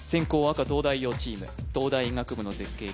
赤東大王チーム東大医学部の絶景